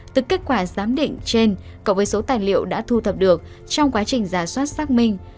từ kết quả giám định trên cộng với số tài liệu đã thu thập được trong quá trình giả soát xác minh